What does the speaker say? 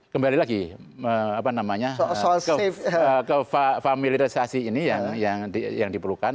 kembali lagi ke familiarisasi ini yang diperlukan